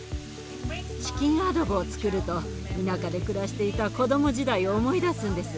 チキンアドボをつくると田舎で暮らしていた子ども時代を思い出すんです。